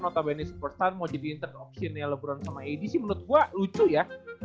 notabene superstar mau jadi intent option ya lebaran sama edi sih menurut gua lucu ya